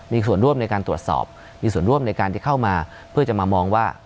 มีส่วนร่วมในการตรวจสอบมีส่วนร่วมในการที่เข้ามาเพื่อจะมามองว่า